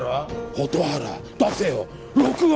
蛍原出せよ録音。